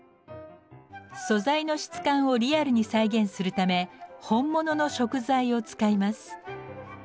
素材の質感をリアルに再現するため本物の食材を使います。